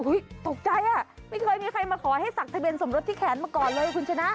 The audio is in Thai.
ตกใจอ่ะไม่เคยมีใครมาขอให้สักทะเบียนสมรสที่แขนมาก่อนเลยคุณชนะ